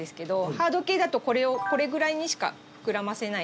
ハード系だとこれをこれぐらいにしか膨らませない。